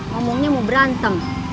ngomongnya mau berantem